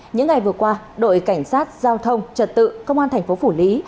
những ngày vừa qua đội cảnh sát giao thông trật tự công an thành phố phủ lý